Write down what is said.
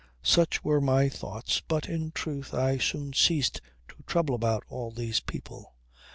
Such were my thoughts, but in truth I soon ceased to trouble about all these people.